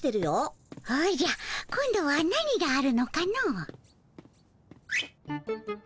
おじゃ今度は何があるのかの？